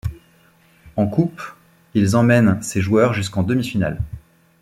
En coupe ils emmène ses joueurs jusqu'en demi finale.